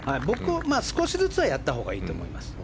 少しずつはやったほうがいいと思います。